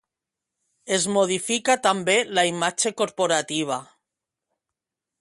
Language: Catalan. Es modifica també la imatge corporativa.